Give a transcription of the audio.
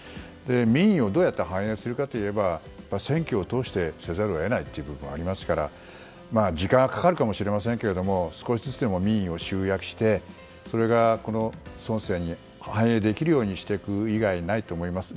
民意をどうやって反映するかといえば選挙を通してせざるを得ないという部分がありますから時間がかかるかもしれませんが少しずつでも民意を集約してそれが反映できるようにしていく以外ないと思います。